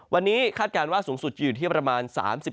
วันนี้คาดการณ์ว่าสูงสุดจะอยู่ที่ประมาณ๓๔